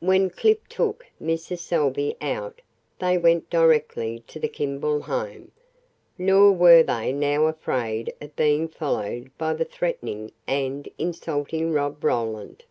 When Clip took Mrs. Salvey out they went directly to the Kimball home, nor were they now afraid of being followed by the threatening and insulting Rob Roland.